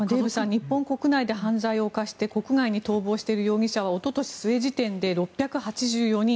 日本国内で犯罪を犯して日本国外に逃亡している容疑者はおととし末時点で６８４人。